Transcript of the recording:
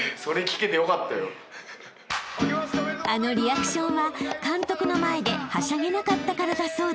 ［あのリアクションは監督の前ではしゃげなかったからだそうです］